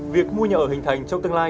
việc mua nhà ở hình thành trong tương lai